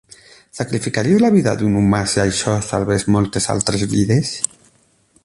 Sacrificaries la vida d'un humà si això salvés moltes altres vides?